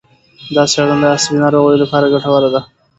دا څېړنه د عصبي ناروغیو لپاره ګټوره ده.